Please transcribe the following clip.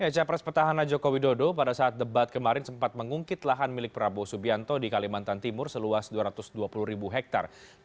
capres petahana jokowi dodo pada saat debat kemarin sempat mengungkit lahan milik prabowo subianto di kalimantan timur seluas dua ratus dua puluh ribu hektare